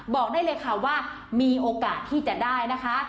บอกได้เลยค่ะว่ามีโอกาสที่จะได้นะคะ